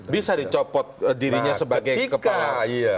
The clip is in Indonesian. bisa dicopot dirinya sebagai kepala